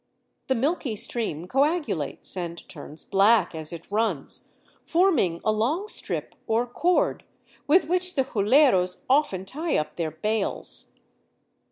The milky stream coagulates and turns black as it runs, forming a long strip or cord, with which the huléros often tie up their bales.